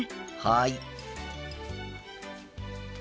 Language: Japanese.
はい。